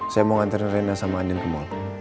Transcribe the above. saya mau nganterin rena sama andien ke mall